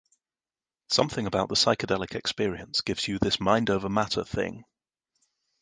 Something about the psychedelic experience gives you this mind over matter thing.